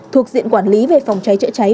thuộc diện quản lý về phòng cháy chạy cháy